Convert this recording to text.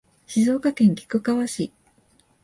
静岡県菊川市